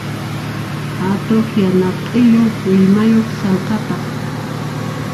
Atuqqa yana q'illu willmayuq sallqataq.